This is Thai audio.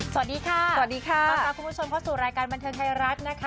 สวัสดีค่ะสวัสดีค่ะต้อนรับคุณผู้ชมเข้าสู่รายการบันเทิงไทยรัฐนะคะ